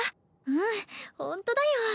うんほんとだよ。